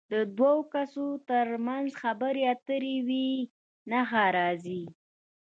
د دوو کسو تر منځ خبرې اترې وي نښه راځي.